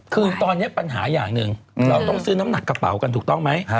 คือตอนนี้ปัญหาอย่างหนึ่งเราต้องซื้อน้ำหนักกระเป๋ากันถูกต้องไหม